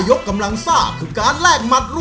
โดยการแข่งขาวของทีมเด็กเสียงดีจำนวนสองทีม